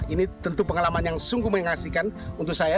ini tentu pengalaman yang sungguh mengasihkan untuk saya